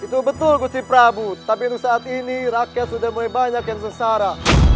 itu betul gusti prabu tapi untuk saat ini rakyat sudah mulai banyak yang sengsara